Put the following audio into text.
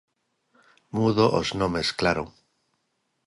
Mudo os nomes, claro.